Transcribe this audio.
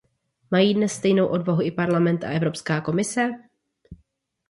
Mají dnes stejnou odvahu i Parlament a Evropská komise?